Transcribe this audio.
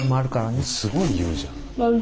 すごい言うじゃん。